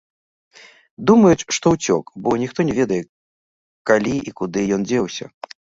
Думаюць, што ўцёк, бо ніхто не ведае, калі і куды ён дзеўся.